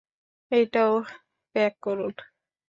এটাও প্যাক করুন।